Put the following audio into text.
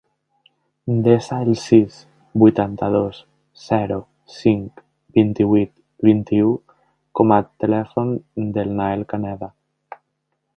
Desa el sis, vuitanta-dos, zero, cinc, vint-i-vuit, vint-i-u com a telèfon del Nael Caneda.